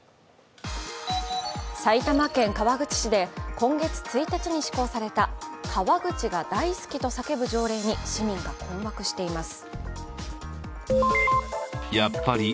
埼玉県川口市で今月１日に施行された川口が大好きと叫ぶ条例に市民が困惑しています。